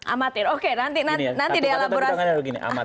amatir oke nanti dielaborasi